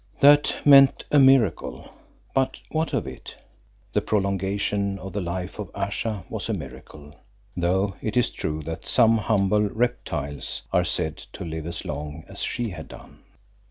That meant a miracle, but what of it? The prolongation of the life of Ayesha was a miracle, though it is true that some humble reptiles are said to live as long as she had done.